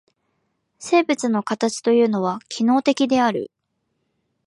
生物の形というのは機能的である。